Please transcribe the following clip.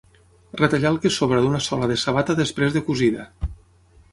Retallar el que sobra d'una sola de sabata després de cosida.